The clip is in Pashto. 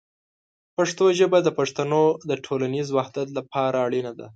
پښتو ژبه د پښتنو د ټولنیز وحدت لپاره اړینه ده.